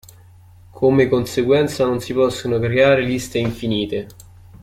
Come conseguenza non si possono creare liste infinite.